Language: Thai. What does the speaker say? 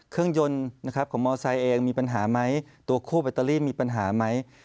เครื่องยนต์นะครับของมอไซค์เองมีปัญหาไหมตัวคู่แบตเตอรี่มีปัญหาไหม